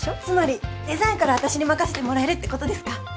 つまりデザインから私に任せてもらえるってことですか？